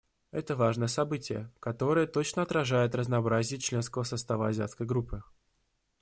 Это важное событие, которое точно отражает разнообразие членского состава Азиатской группы.